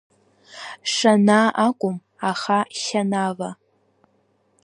Шанаа акәым, аха Шьанава.